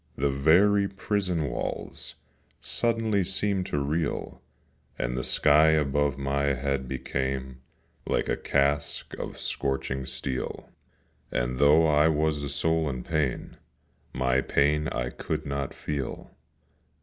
the very prison walls Suddenly seemed to reel, And the sky above my head became Like a casque of scorching steel; And, though I was a soul in pain, My pain I could not feel.